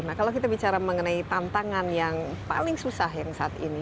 nah kalau kita bicara mengenai tantangan yang paling susah yang saat ini